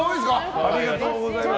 ありがとうございます。